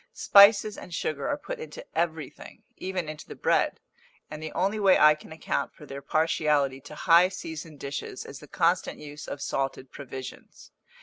Spices and sugar are put into everything, even into the bread; and the only way I can account for their partiality to high seasoned dishes is the constant use of salted provisions.